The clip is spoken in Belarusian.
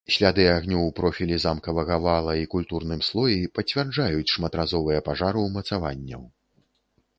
Сляды агню ў профілі замкавага вала і культурным слоі пацвярджаюць шматразовыя пажары ўмацаванняў.